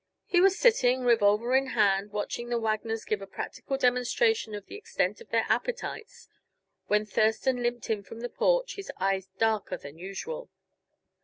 He was sitting, revolver in hand, watching the Wagners give a practical demonstration of the extent of their appetites, when Thurston limped in from the porch, his eyes darker than usual.